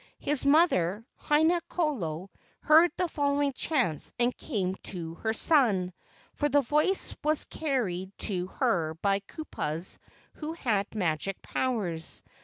His mother, Haina kolo, heard the following chants and came to her son, for the voice was carried to her by kupuas who had magic powers.